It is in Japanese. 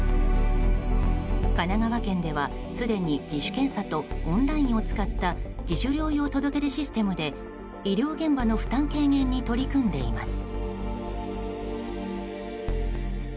神奈川県では、すでに自主検査とオンラインを使った自主療養届出システムで医療現場の負担軽減に取り組んでいます。